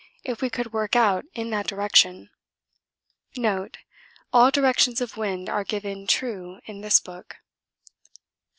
if we could work out in that direction. (Note. All directions of wind are given 'true' in this book.)